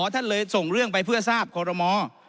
ท่านเลยส่งเรื่องไปเพื่อทราบคอรมอ